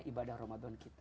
ibadah ramadan kita